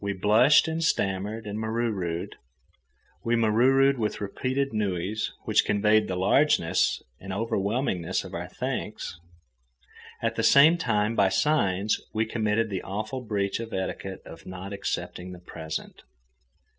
We blushed, and stammered, and mauruuru'd. We mauruuru'd with repeated nui's which conveyed the largeness and overwhelmingness of our thanks. At the same time, by signs, we committed the awful breach of etiquette of not accepting the present.